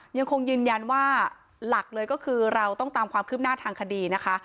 ยังคงยืนยันว่าหลักเลยก็คือเราต้องตามความคืบหน้าทางคดีนะคะ